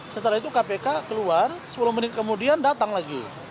setelah itu kpk keluar sepuluh menit kemudian datang lagi